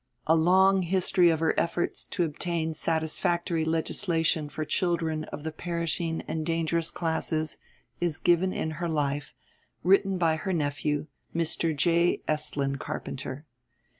A long history of her efforts to obtain satisfactory legislation for children of the perishing and dangerous classes is given in her life, written by her nephew, Mr. J. Estlin Carpenter.